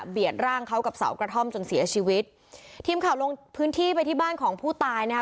ร่างเขากับเสากระท่อมจนเสียชีวิตทีมข่าวลงพื้นที่ไปที่บ้านของผู้ตายนะคะ